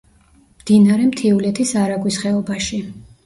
მდინარე მთიულეთის არაგვის ხეობაში.